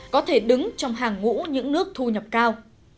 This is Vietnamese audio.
có thể đứng trong hàng ngũ những nước thu nhập cao